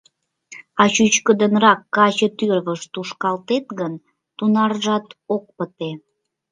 А чӱчкыдынрак каче тӱрвыш тушкалтет гын, тунаржат ок пыте.